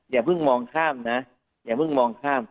อย่าเพิ่งมองข้ามนะ